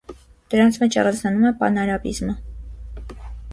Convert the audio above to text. Դրանց մեջ առանձնանում է պանարաբիզմը։